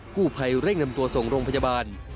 ผู้ภัยเร่งนำตัวส่งโรงพยาบาล